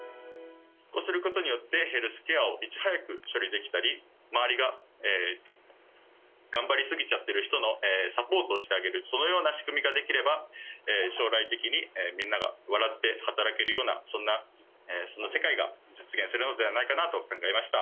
こうすることによってヘルスケアをいち早く処理できたり周りが頑張りすぎちゃってる人のサポートをしてあげるそのような仕組みができれば将来的にみんなが笑って働けるようなそんな世界が実現するのではないかなと考えました。